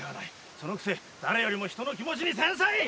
そのくせ誰よりも人の気持ちに繊細！